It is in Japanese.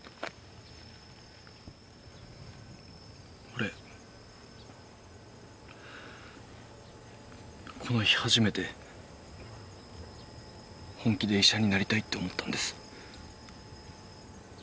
俺、この日初めて本気で医者になりたいって思ったんです。